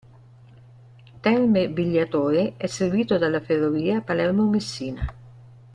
Terme Vigliatore, è servito dalla ferrovia Palermo-Messina.